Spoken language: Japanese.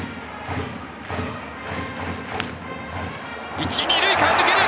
一、二塁間を抜ける！